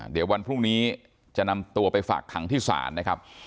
เดี๋ยววันพรุ่งนี้จะนำตัวไปฝากขังที่ศาลนะครับ